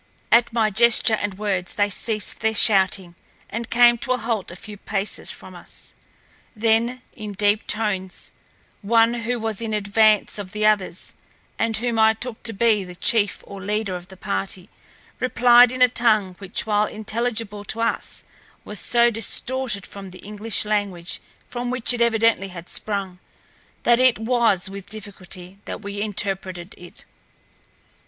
At my gesture and words they ceased their shouting and came to a halt a few paces from us. Then, in deep tones, one who was in advance of the others and whom I took to be the chief or leader of the party replied in a tongue which while intelligible to us, was so distorted from the English language from which it evidently had sprung, that it was with difficulty that we interpreted it.